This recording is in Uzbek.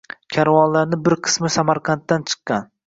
Karvonlarni bir qismi Samarqanddan chiqqan.